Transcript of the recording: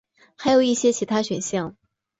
还有一些其他选项。